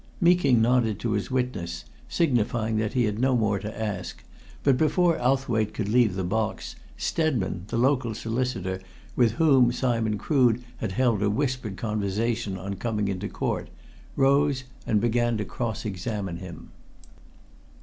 Meeking nodded to his witness, signifying that he had no more to ask, but before Owthwaite could leave the box, Stedman, the local solicitor with whom Simon Crood had held a whispered conversation on coming into court, rose and began to cross examine him.